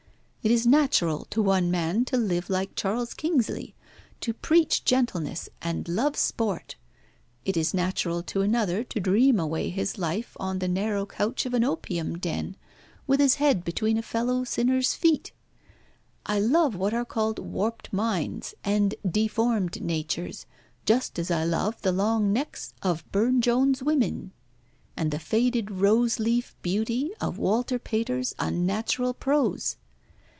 It is natural to one man to live like Charles Kingsley, to preach gentleness, and love sport; it is natural to another to dream away his life on the narrow couch of an opium den, with his head between a fellow sinner's feet. I love what are called warped minds, and deformed natures, just as I love the long necks of Burne Jones' women, and the faded rose leaf beauty of Walter Pater's unnatural prose.